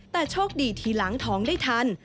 แต่โชคดีทีหลังท้องได้ทัน